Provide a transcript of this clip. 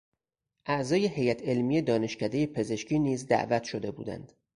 اعضا هیئت علمی دانشکدهی پزشکی نیز دعوت شده بودند.